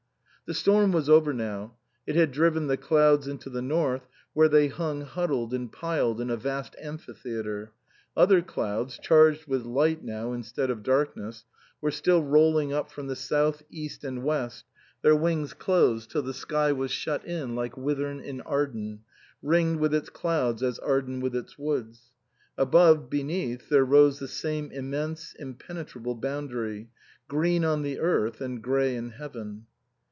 The storm was over now ; it had driven the clouds into the north, where they hung huddled and piled in a vast amphitheatre ; other clouds, charged with light now instead of darkness, were still rolling up from the south, east and west, their wings closed till the sky was shut in like Whithorn in Arden, ringed with its clouds as Arden with its woods ; above, beneath, there rose the same immense, impenetrable boundary, green on the earth and grey in heaven.